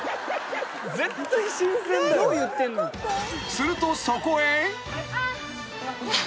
［するとそこへ］